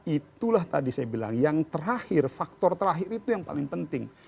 itulah tadi saya bilang yang terakhir faktor terakhir itu yang paling penting